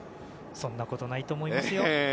そんなことないと思いますよ。